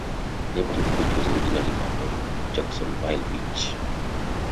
Neptune Beach was originally part of Jacksonville Beach.